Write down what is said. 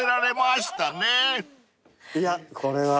いやこれは。